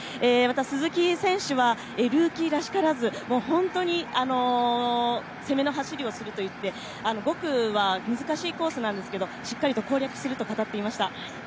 鈴木選手はルーキーらしからず本当に攻めの走りをすると言って５区は難しいコースなんですけど、しっかりと攻略すると語っていました。